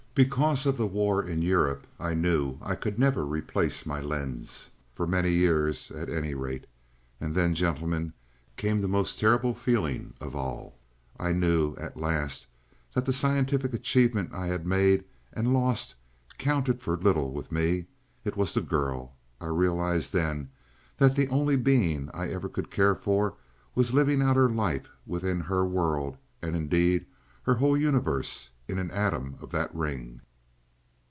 Because of the war in Europe I knew I could never replace my lens for many years, at any rate. And then, gentlemen, came the most terrible feeling of all; I knew at last that the scientific achievement I had made and lost counted for little with me. It was the girl. I realized then that the only being I ever could care for was living out her life with her world, and, indeed, her whole universe, in an atom of that ring."